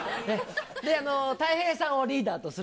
たい平さんをリーダーとする。